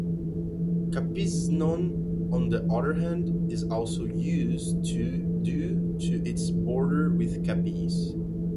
Capiznon, on the other hand, is also used due to its border with Capiz.